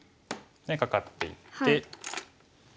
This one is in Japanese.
でカカっていって。